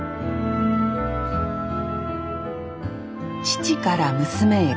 父から娘へ。